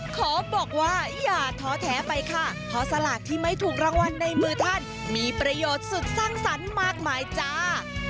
ขอบอกว่าอย่าท้อแท้ไปค่ะเพราะสลากที่ไม่ถูกรางวัลในมือท่านมีประโยชน์สุดสร้างสรรค์มากมายจ้า